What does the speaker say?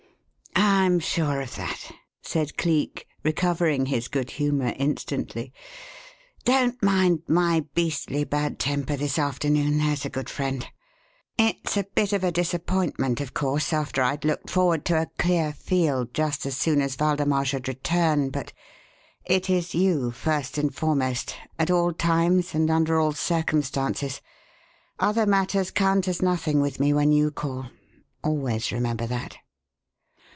"I'm sure of that," said Cleek, recovering his good humour instantly. "Don't mind my beastly bad temper this afternoon, there's a good friend. It's a bit of a disappointment, of course, after I'd looked forward to a clear field just as soon as Waldemar should return, but It is you, first and foremost, at all times and under all circumstances. Other matters count as nothing with me when you call. Always remember that."